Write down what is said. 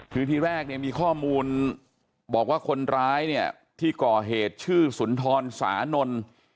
คือที่แรกเนี่ยมีข้อมูลบอกว่าคนร้ายเนี่ยที่ก่อเหตุชื่อสุนทรสานนท์